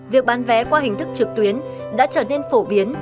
việc bán vé qua hình thức trực tuyến đã trở nên phổ biến